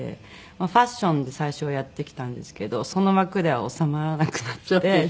ファッションで最初はやってきたんですけどその枠では収まらなくなって表現の場所が。